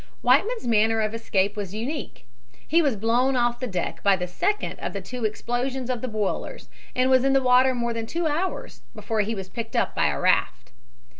Whiteman's manner of escape was unique. He was blown off the deck by the second of the two explosions of the boilers, and was in the water more than two hours before he was picked up by a raft.